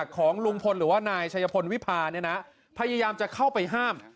ของลุงพลหรือว่านายชัยพลวิพาเนี่ยนะพยายามจะเข้าไปห้าม